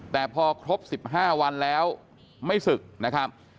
แต่พอครบ๑๕วันแล้วไม่ศึกนะครับ